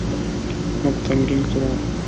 موږ تمرین کوو